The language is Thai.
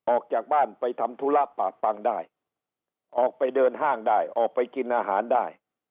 ออกจากบ้านไปทำธุระปาดตังได้ออกไปเดินห้างได้ออกไปกินอาหารได้